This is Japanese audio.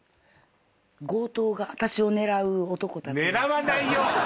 強盗が私を狙う男たちが。